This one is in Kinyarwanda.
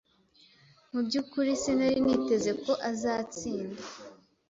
Mu byukuri sinari niteze ko azatsinda